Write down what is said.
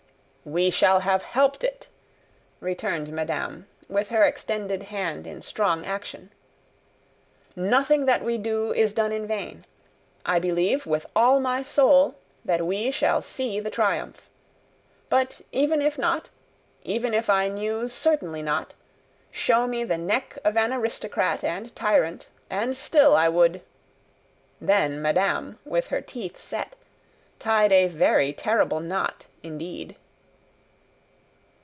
"We shall have helped it," returned madame, with her extended hand in strong action. "Nothing that we do, is done in vain. I believe, with all my soul, that we shall see the triumph. But even if not, even if I knew certainly not, show me the neck of an aristocrat and tyrant, and still I would " Then madame, with her teeth set, tied a very terrible knot indeed.